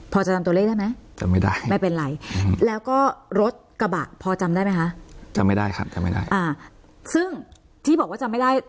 พอจะจำตัวเลขได้ไหมจำไม่ได้ไม่เป็นไรแล้วก็รถกระบะพอจำได้ไหมคะจำไม่ได้ครับจำไม่ได้อ่าซึ่งที่บอกว่าจำไม่ได้